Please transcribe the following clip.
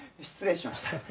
失礼しました。